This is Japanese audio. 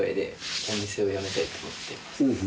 うん。